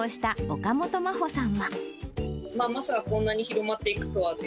まさかこんなに広まっていくとはと。